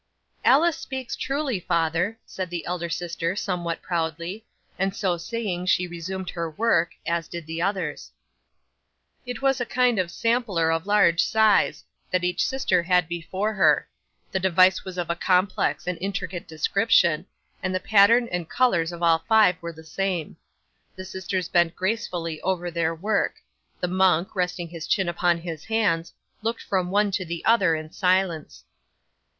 '"Alice speaks truly, father," said the elder sister, somewhat proudly. And so saying she resumed her work, as did the others. 'It was a kind of sampler of large size, that each sister had before her; the device was of a complex and intricate description, and the pattern and colours of all five were the same. The sisters bent gracefully over their work; the monk, resting his chin upon his hands, looked from one to the other in silence.